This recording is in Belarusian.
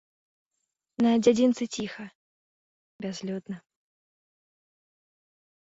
На дзядзінцы ціха, бязлюдна.